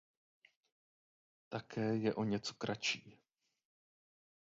Také je o něco kratší.